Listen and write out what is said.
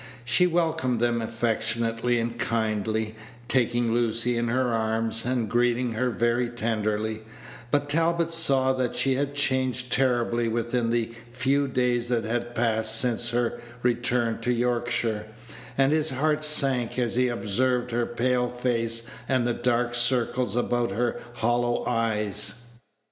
She welcomed them affectionately and kindly, taking Lucy in her arms, and greeting her very tenderly; but Talbot saw that she had changed terribly within the few days that had passed since her return to Yorkshire, and his heart sank as he observed her pale face and the dark circles about her hollow eyes.